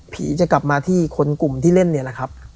จะกลับมาที่คนกลุ่มที่เล่นเนี่ยแหละครับ